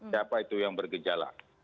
siapa itu yang bergejala